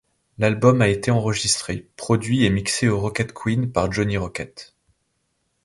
L'album a été enregistré, produit et mixés au Rockett Queen par Johnny Rockett.